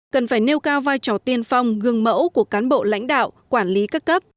cần phải nêu cao vai trò tiên phong gương mẫu của cán bộ lãnh đạo quản lý các cấp